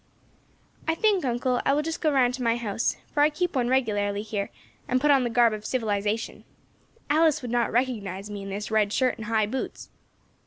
"I think, uncle, I will just go round to my house, for I keep one regularly here, and put on the garb of civilisation. Alice would not recognise me in this red shirt and high boots."